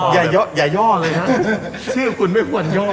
อย่าย่ออย่าย่อเลยนะชื่อคุณไม่ควรย่อ